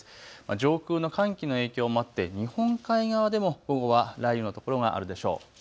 上空の寒気の影響もあって日本海側でも午後は雷雨の所があるでしょう。